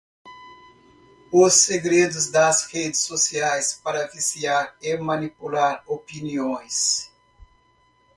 Os segredos das redes sociais para viciar e manipular opiniões